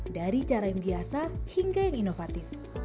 dari cara yang biasa hingga yang inovatif